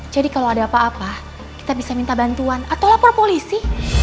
jadi kalau ada apa apa kita bisa minta bantuan atau lapor polisi